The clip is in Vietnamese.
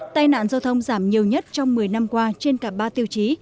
tai nạn giao thông giảm nhiều nhất trong một mươi năm qua trên cả ba tiêu chí